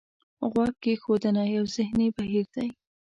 غوږ کېښودنه یو ذهني بهیر دی.